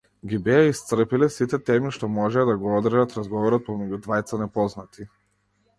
Ги беа исцрпиле сите теми што можеа да го одржат разговорот помеѓу двајца непознати.